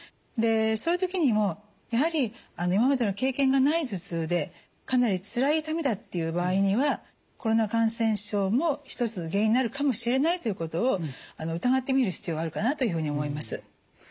でそういう時にもやはり今までの経験がない頭痛でかなりつらい痛みだっていう場合にはコロナ感染症も一つの原因になるかもしれないということを疑ってみる必要があるかなというふうに思います。